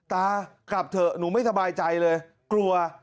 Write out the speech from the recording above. ตากลับเถอะหนูไม่ทบายใจเลยเกลียดเกลียด